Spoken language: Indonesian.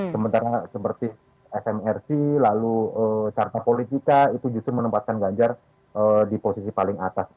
sementara seperti smrc lalu carta politika itu justru menempatkan ganjar di posisi paling atas